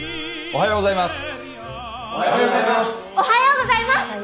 おはようございます。